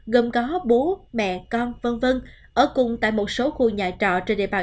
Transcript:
gồm có bố mẹ con v v ở cùng tại một số khu nhà trọ trên địa bàn